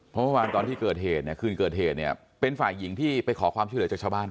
เพราะเมื่อวานตอนที่เกิดเหตุเนี่ยคืนเกิดเหตุเนี่ยเป็นฝ่ายหญิงที่ไปขอความช่วยเหลือจากชาวบ้าน